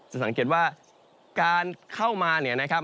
สังเกตว่าการเข้ามาเนี่ยนะครับ